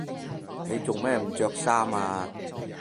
你做咩唔着衫呀？